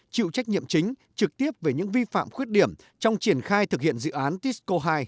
chịu trách nhiệm chính trực tiếp về những vi phạm khuyết điểm trong triển khai thực hiện dự án tisco hai